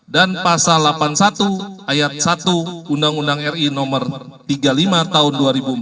dan pasal delapan puluh satu ayat satu undang undang ri nomor tiga puluh lima tahun dua ribu empat belas